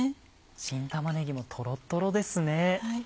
新玉ねぎもトロトロですね。